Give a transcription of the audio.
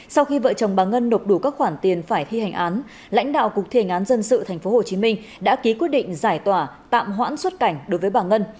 sau khi vợ chồng bà ngân nộp đủ các khoản tiền phải thi hành án lãnh đạo cục thi hành án dân sự tp hcm đã ký quyết định giải tỏa tạm hoãn xuất cảnh đối với bà ngân